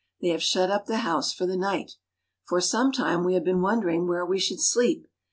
They have shut up the house for the night. For some time we have been wondering where we should sleep.